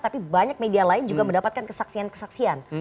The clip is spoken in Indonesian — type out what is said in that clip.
tapi banyak media lain juga mendapatkan kesaksian kesaksian